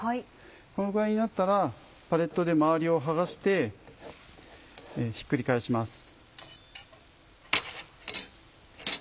このぐらいになったらパレットで周りを剥がしてひっくり返します。